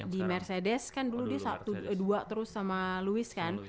di mercedes kan dulu dia dua terus sama lewis kan